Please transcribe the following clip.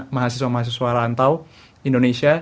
mahasiswa mahasiswa rantau indonesia